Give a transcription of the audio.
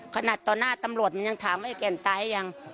ขนาดต่อหน้าตำรวจมันยังถามไอ้แก่นตายยัง